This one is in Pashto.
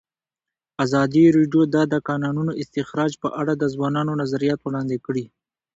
ازادي راډیو د د کانونو استخراج په اړه د ځوانانو نظریات وړاندې کړي.